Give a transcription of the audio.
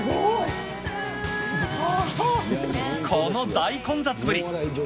この大混雑ぶり。